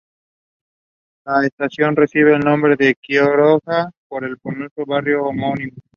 La estación recibe el nombre de Quiroga, por el populoso barrio homónimo.